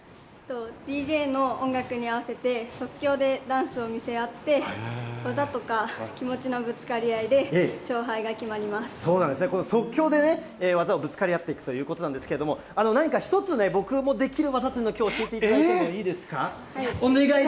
ＤＪの音楽に合わせて、即興でダンスを見せ合って、技とか気持ちのぶつかり合いで勝そうなんですね、この即興でね、技をぶつかり合っていくということなんですけれども、何か一つね、僕もできる技というのを、きょう、１つ教えていただいてもいいですか？